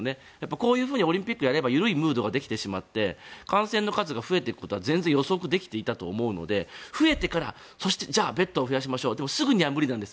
こういうふうにオリンピックをやれば緩いムードができてしまって感染の数が増えていくことは全然予測できていたと思うので増えてからじゃあベッドを増やしましょうでもすぐには無理なんです。